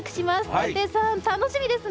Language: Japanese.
伊達さん、楽しみですね！